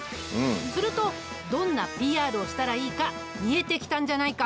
するとどんなＰＲをしたらいいか見えてきたんじゃないか？